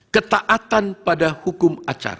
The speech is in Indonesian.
ketaatan pada hukum acara